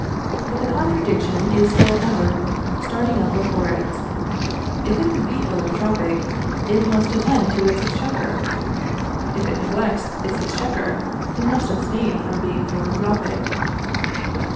But the contradiction is for ever starting up before it; if it would be philanthropic, it must attend to its exchequer; if it neglects its exchequer, it must abstain from being philanthropic.